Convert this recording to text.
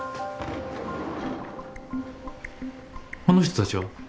あの人たちは？